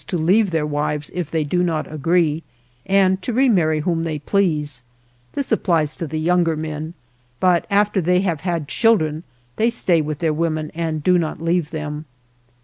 117 THE JOURNEY OF leave their wives if they do not agree, and to remarry whom they please ; this applies to the young men, but after they have had chil dren they stay with their women and do not leave them.